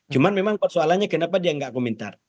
cuman memang persoalannya kenapa dia nggak komentar